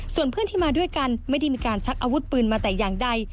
ส่วนเพื่อนที่มาด้วยกันไม่ได้มีการชักอาวุธปืนมาแต่อย่างใด